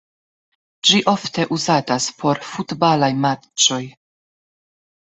Ĝi ofte uzatas por futbalaj matĉoj.